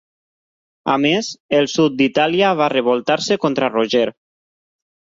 A més, el sud d'Itàlia va revoltar-se contra Roger.